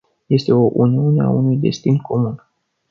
Este o uniune a unui destin comun.